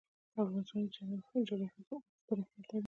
د افغانستان جغرافیه کې اوښ ستر اهمیت لري.